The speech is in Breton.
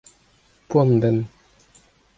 poan-benn.